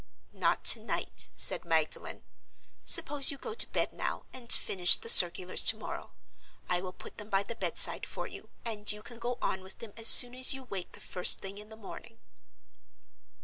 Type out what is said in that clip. "Not to night," said Magdalen. "Suppose you go to bed now, and finish the circulars tomorrow? I will put them by the bedside for you, and you can go on with them as soon as you wake the first thing in the morning."